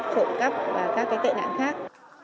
trộm cắp và các cái tệ nạn khác